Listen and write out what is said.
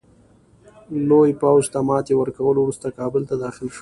لوی پوځ ته ماتي ورکولو وروسته کابل ته داخل شو.